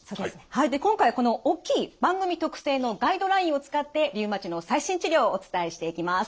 はいで今回はこの大きい番組特製のガイドラインを使ってリウマチの最新治療をお伝えしていきます。